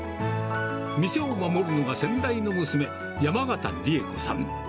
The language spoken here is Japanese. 店を守るのが、先代の娘、山縣理恵子さん。